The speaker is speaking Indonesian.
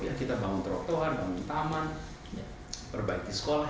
ya kita bangun trotoar bangun taman perbaiki sekolah